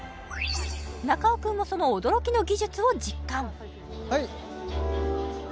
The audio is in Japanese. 中尾君もその驚きの技術を実感